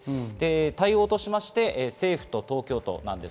対応としまして政府と東京都です。